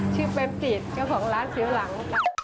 ชื่อเป็นจิตแล้วของร้านเสียวหลัง